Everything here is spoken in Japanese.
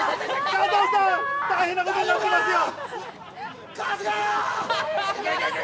加藤さん、大変なことになっていますよ！